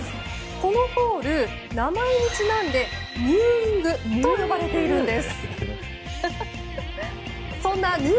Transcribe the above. このコール名前にちなんでヌーイングと呼ばれているんです。